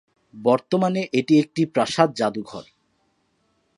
বর্তমানে এটি একটি প্রাসাদ জাদুঘর।